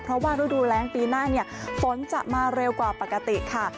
เพราะว่าฤดูแรงปีหน้าเนี่ยฝนจะมาเร็วกว่าปกติค่ะ